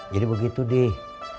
jadi begitu deh